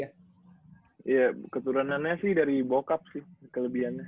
ya keturunannya sih dari bokap sih kelebihannya